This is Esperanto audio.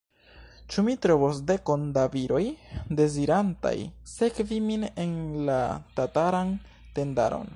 Ĉu mi trovos dekon da viroj, dezirantaj sekvi min en la tataran tendaron?